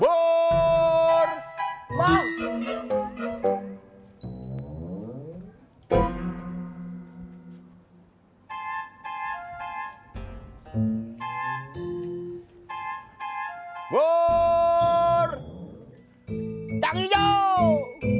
burp yang hijau